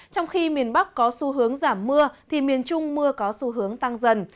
trong khi miền bắc có xu hướng giảm mưa thì miền trung mưa có xu hướng tăng dần